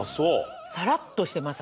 サラッとしてます